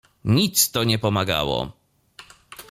"Nic to nie pomagało."